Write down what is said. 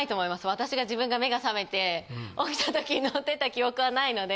私が自分が目が覚めて起きた時に乗ってた記憶はないので。